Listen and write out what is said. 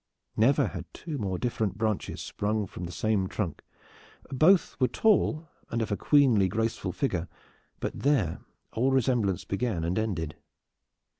Never had two more different branches sprung from the same trunk. Both were tall and of a queenly graceful figure. But there all resemblance began and ended.